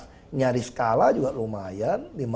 nanti nyaris kalah juga lumayan